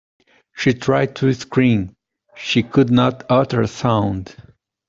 She tried to scream; she could not utter a sound.